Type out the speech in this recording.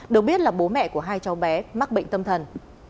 được biết là bố mẹ của hai cháu bé mắc bệnh tâm thần